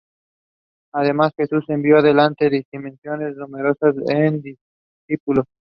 Además, Jesús envió delante de sí misiones más numerosas en discípulos.